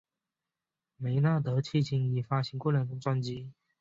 梅纳德迄今已发行过两张专辑。